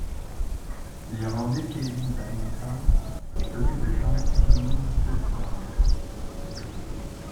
L'Irlandais Kevin Babington s'occupe de Carling King peu de temps après.